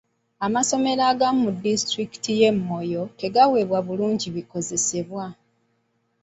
Amasomero agamu mu disitulikiti y'e Moyo tegaweebwa bulungi bikozesebwa.